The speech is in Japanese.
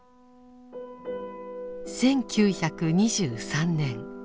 １９２３年。